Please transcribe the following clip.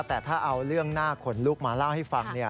แต่ถ้าเอาเรื่องหน้าขนลุกมาเล่าให้ฟัง